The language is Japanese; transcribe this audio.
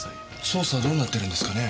捜査はどうなってるんですかね？